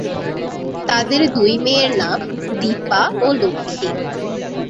তাদের দুই মেয়ের নাম দীপা ও লক্ষ্মী।